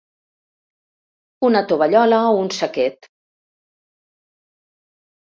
Una tovallola o un saquet.